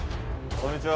こんにちは。